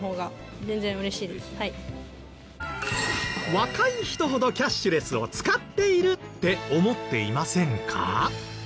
若い人ほどキャッシュレスを使っているって思っていませんか？